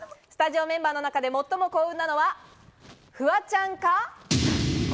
スタジオメンバーの中で最も幸運なのはフワちゃんか？